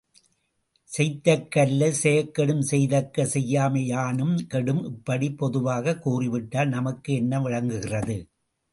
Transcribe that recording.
செயத்தக்க அல்ல செயக்கெடும் செய்தக்க செய்யாமை யானும் கெடும். இப்படிப் பொதுவாக கூறிவிட்டால், நமக்கு என்ன விளங்குகிறது?